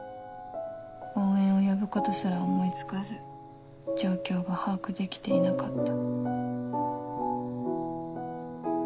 応援を呼ぶことすら思い付かず状況が把握できていなかった」。